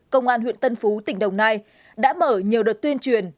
công an huyện tân phú tỉnh đồng nai đã mở nhiều đợt tuyên truyền